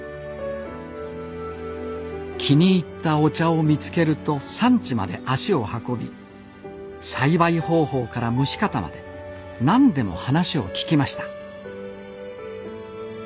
気に入ったお茶を見つけると産地まで足を運び栽培方法から蒸し方まで何でも話を聞きました